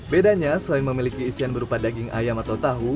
bedanya selain memiliki isian berupa daging ayam atau tahu